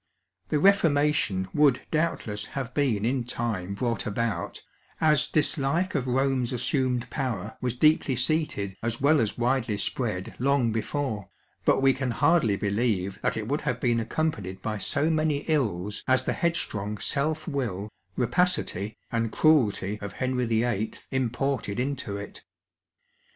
The Reformation would doubtless have been in time brought about, as dislike of Rome's assumed power was deeply seated as well as widely spread long before, but we can hardly believe that it would have been ac companied by so many ills as the headstrong self will, rapacity, and cruelty of Henry YIII. imported into it.